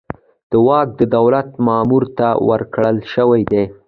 دا واک د دولت مامور ته ورکړل شوی دی.